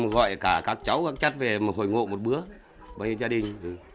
gọi cả các cháu các chất về mà hội ngộ một bữa với gia đình